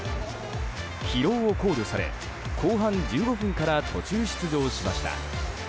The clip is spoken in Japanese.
疲労を考慮され、後半１５分から途中出場しました。